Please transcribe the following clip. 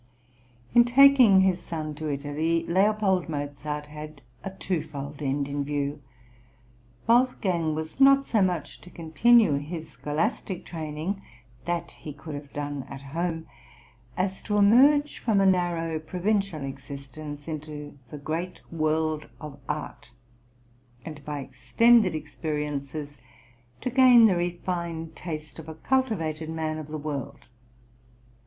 In taking his son to Italy, L. Mozart had a twofold end in view. Wolfgang was not so much to continue his scholastic training (that he could have done at home) as to emerge from a narrow provincial existence into the great world of art, and by extended experiences to gain the refined taste of a cultivated man of the world.